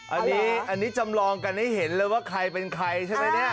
อันนี้จำลองกันให้เห็นเลยว่าใครเป็นใครใช่ไหมเนี่ย